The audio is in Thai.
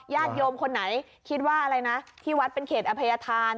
ญาติโยมคนไหนคิดว่าอะไรนะที่วัดเป็นเขตอภัยธาน